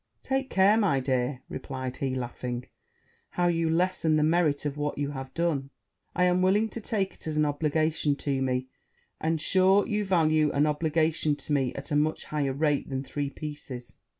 'Take care, my dear,' said he, laughing, 'how you lessen the merit of what you have done; I am willing to take it as an obligation to me; and, sure, you value an obligation to me at a much higher rate than three pieces.'